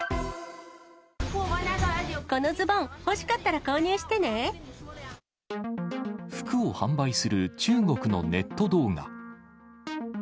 このズボン、欲しかったら購服を販売する中国のネット動画。